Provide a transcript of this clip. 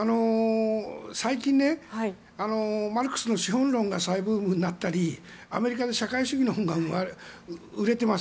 最近、マルクスの「資本論」が再ブームになったりアメリカで社会資本の本が売れています。